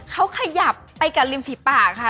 เขาขยับไปกับริมฝีปากค่ะ